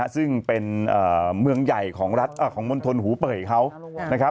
ซึ่งเป็นเมืองใหญ่ของมณฑลหูเป่ยเขา